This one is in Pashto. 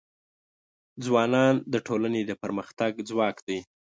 ځوانان د ټولنې د پرمختګ ځواک دی.